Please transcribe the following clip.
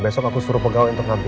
besok aku suruh pegawai untuk ngambil